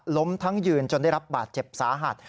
ล้มทั้งยืนจนได้รับบาดเจ็บสาหัส